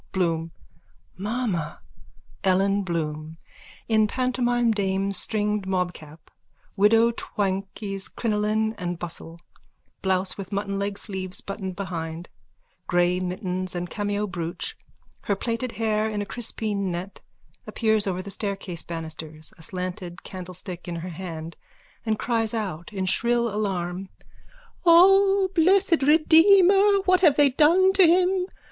BLOOM: Mamma! ELLEN BLOOM: _(In pantomime dame's stringed mobcap, widow Twankey's crinoline and bustle, blouse with muttonleg sleeves buttoned behind, grey mittens and cameo brooch, her plaited hair in a crispine net, appears over the staircase banisters, a slanted candlestick in her hand, and cries out in shrill alarm.)_ O blessed Redeemer, what have they done to him!